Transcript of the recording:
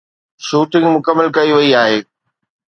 shooting مڪمل ڪئي وئي آهي